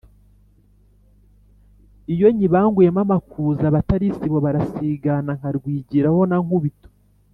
Iyo nyibanguyemo amakuza abatali isibo barasigana, nkarwigiraho na Nkubito